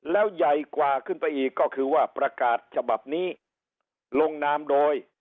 แล้วใหญ่กว่าขึ้นไปอีกก็คือว่าประกาศฉบับนี้ลงนามโดย